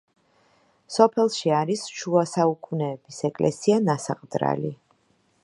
სოფელში არის შუა საუკუნეების ეკლესია „ნასაყდრალი“.